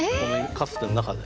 かつての中で。